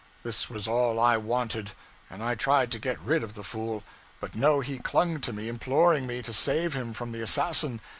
This was all I wanted. And I tried to get rid of the fool; but no, he clung to me, imploring me to save him from the assassin.